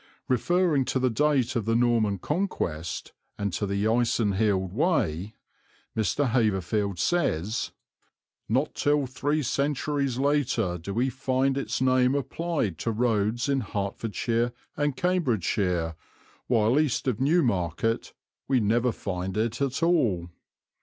Referring to the date of the Norman Conquest and to the Icenhilde Way, Mr. Haverfield says: "Not till three centuries later do we find its name applied to roads in Hertfordshire and Cambridgeshire, while east of Newmarket we never find it at all."